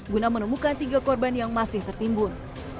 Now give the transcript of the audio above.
guna menemukan tiga korban yang masih tertimbun